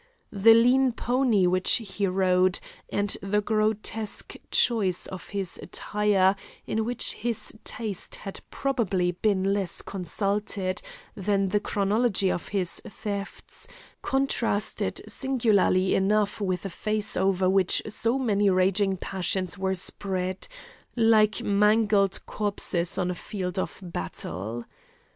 The lean pony which he rode, and the grotesque choice of his attire, in which his taste had probably been less consulted than the chronology of his thefts, contrasted singularly enough with a face over which so many raging passions were spread, like mangled corpses on a field of battle.